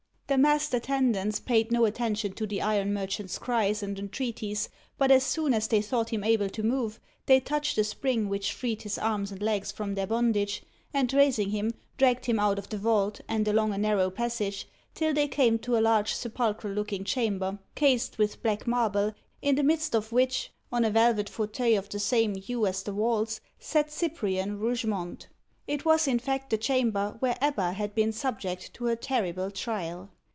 The masked attendants paid no attention to the iron merchant's cries and entreaties; but as soon as they thought him able to move, they touched a spring, which freed his arms and legs from their bondage, and raising him, dragged him out of the vault, and along a narrow passage, till they came to a large sepulchral looking chamber, cased with black marble, in the midst of which, on a velvet fauteuil of the same hue as the walls, sat Cyprian Rougemont. It was, in fact, the chamber where Ebba had been subject to her terrible trial.